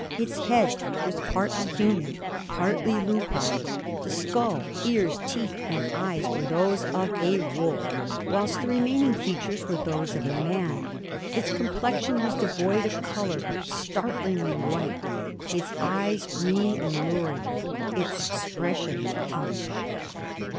Its head was partly human, partly lupine the skull, ears, teeth, and eyes were those of a wolf, whilst the remaining features were those of a man. Its complexion was devoid of colour, startlingly white; its eyes green and lurid, its expression hellish.